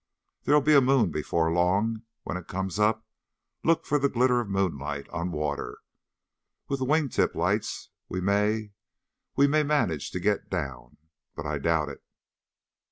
There'll be a moon before long. When it comes up, look for the glitter of moonlight on water. With the wing tip lights we may we may manage to get down. But I doubt it."